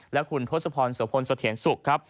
และคุณทศพรสวพลสะเทียนสุขครับ